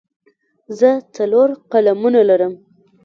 زه څلور قلمونه لرم.